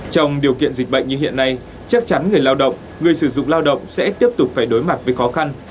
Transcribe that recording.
trong điều kiện dịch bệnh như hiện nay chắc chắn người lao động người sử dụng lao động sẽ tiếp tục phải đối mặt với khó khăn